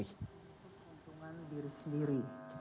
ini adalah pengontungan diri sendiri